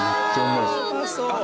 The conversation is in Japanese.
うまそう。